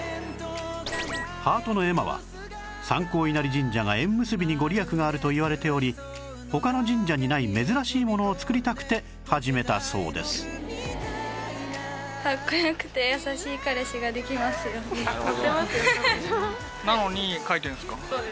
ハートの絵馬は三光稲荷神社が縁結びに御利益があるといわれており他の神社にない珍しいものを作りたくて始めたそうですなのに書いてるんですか？